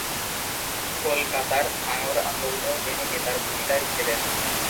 কলকাতার ধাঙড় আন্দোলনেও তিনি নেতার ভূমিকায় ছিলেন।